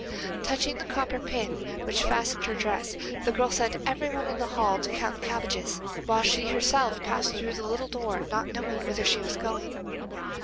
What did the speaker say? Touching the copper pin which fastened her dress, the girl sent every one in the hall to count the cabbages, while she herself passed through the little door, not knowing whither she was going.